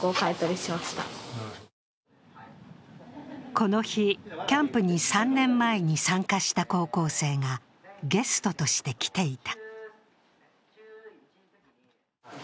この日、キャンプに３年前に参加した高校生がゲストとして来ていた。